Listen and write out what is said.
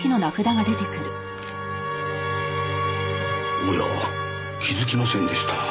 おや気づきませんでした。